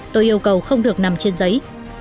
tôi yêu cầu không được nằm trên giấy